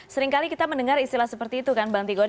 seringkali kita mendengar istilah seperti itu kan bang tigon